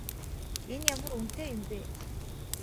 Энэ ямар үнэтэй юм бэ?